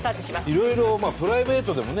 いろいろプライベートでもね